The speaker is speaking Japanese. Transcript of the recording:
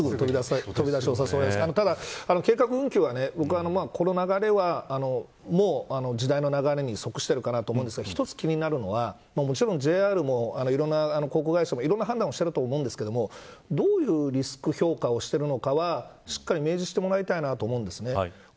ただ、計画運休はこの流れは時代の流れに即しているかなと思うんですが一つ気になるのはもちろんＪＲもいろんな航空会社もいろんな判断していると思いますがどういうリスク評価をしているのかはしっかり明示してもらいたいと思うんです。